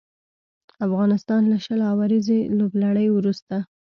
افغانستان له شل اوريزې لوبلړۍ وروسته